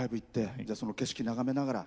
その景色を眺めながら。